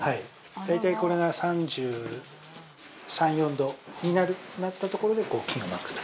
◆大体、これが３３４度になったところで菌をまくと。